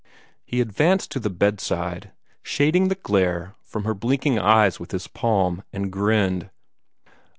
He advanced to the bedside, shading the glare from her blinking eyes with his palm, and grinned.